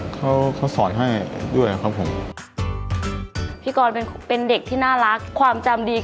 เขาสอนให้ด้วยครับผม